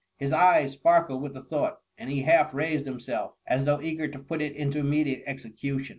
^ His eyes sparkled with the thought, and he half raised himself, as though eager to put it into immediate execution.